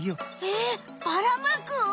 えっバラまく？